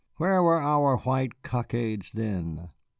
Where were our white cockades then?